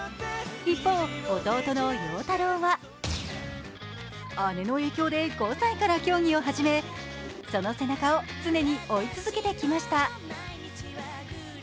一方、弟の陽太郎は姉の影響で５歳から競技を始めその背中を常に追い続けてきました。